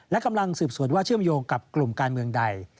และกำลังสืบสวนว่าเชื่อมโยงกับกลุ่มการเมืองใด